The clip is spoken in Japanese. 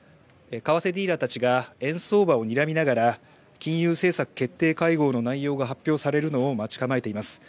為替ディーラーたちが円相場をにらみながら金融政策決定会合の内容が発表されるのを待ち構えています。